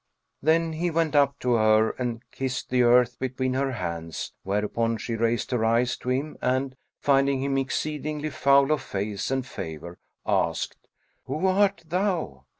Then he went up to her and kissed the earth between her hands, whereupon she raised her eyes to him and, finding him exceedingly foul of face and favour, asked, "Who art thou?"